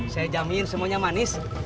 saya jamin semuanya manis